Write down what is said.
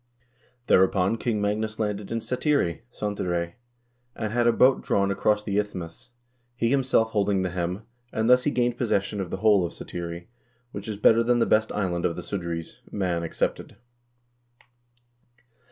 Thereupon King Magnus landed in Satiri (Cantire), and had a boat drawn across the isthmus, he himself holding the helm, and thus he gained possession of the whole of Satiri, which is better than the best island of the Sudreys, Man excepted."